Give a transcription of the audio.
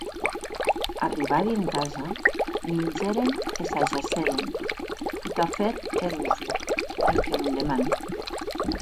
Arribadi ena casa, mingèren e s’ajacèren, totafèt erosi, enquia londeman.